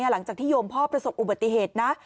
หลังจากที่โยมพ่อประสบอุบัติเหตุนะ